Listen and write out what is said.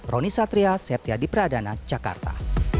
roni satria septia di pradana jakarta